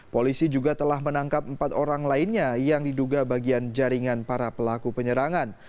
polisi juga telah menangkap empat orang lainnya yang diduga bagian jaringan para pelaku penyerangan